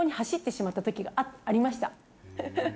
時がありました。